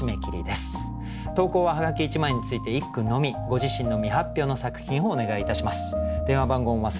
ご自身の未発表の作品をお願いいたします。